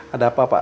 ada apa pak